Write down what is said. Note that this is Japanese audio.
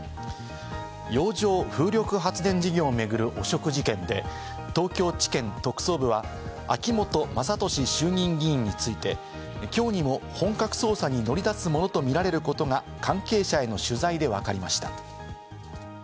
洋上風力発電事業を巡る汚職事件で、東京地検特捜部は、秋本真利衆議院議員について、きょうにも本格捜査に乗り出すものとみられることが関係者への取材でわかりました。